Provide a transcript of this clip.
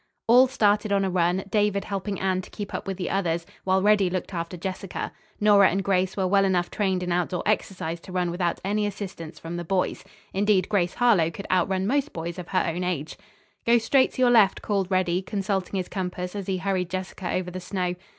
All started on a run, David helping Anne to keep up with the others while Reddy looked after Jessica. Nora and Grace were well enough trained in outdoor exercise to run without any assistance from the boys. Indeed, Grace Harlowe could out run most boys of her own age. "Go straight to your left," called Reddy, consulting his compass as he hurried Jessica over the snow.